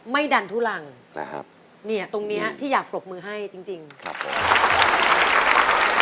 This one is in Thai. ไม่ดันทุลังนะครับเนี่ยตรงเนี้ยที่อยากปรบมือให้จริงจริงครับผม